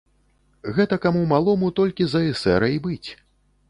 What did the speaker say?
Гэтакаму малому толькі за эсэра й быць.